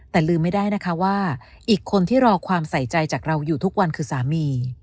แต่ลืมไม่ได้นะคะว่าอีกคนที่รอความใส่ใจจากเราอยู่ทุกวันคือสามี